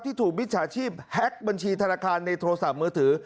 ถูกมิจฉาชีพแฮ็กบัญชีธนาคารในโทรศัพท์มือถือ